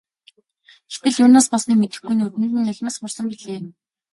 Тэгтэл юунаас болсныг мэдэхгүй нүдэнд нь нулимс хурсан билээ.